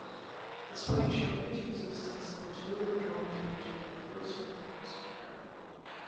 Despite Shunkin's resistance the two are drawn to each other closer and closer.